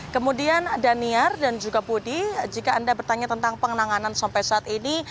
kemudian daniar dan juga budi jika anda bertanya tentang penanganan sampai saat ini